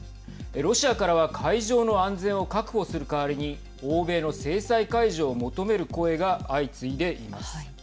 ロシアからは海上の安全を確保する代わりに欧米の制裁解除を求める声が相次いでいます。